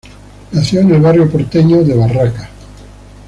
Nació en el barrio porteño de Barracas.